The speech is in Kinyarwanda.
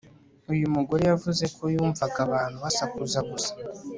uyu mugore yavuze ko yumvaga abantu basakuza gusa